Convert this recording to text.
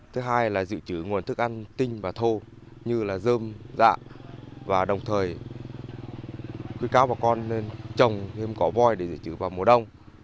thứ hai là dự trữ nguồn thức ăn tinh và thô như là dơm dạ và đồng thời khuyến cáo bà con nên trồng thêm cỏ voi để dự trữ vào mùa đông